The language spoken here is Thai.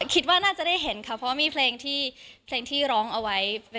คิดว่าน่าจะได้เห็นค่ะเพราะว่ามีเพลงที่เพลงที่ร้องเอาไว้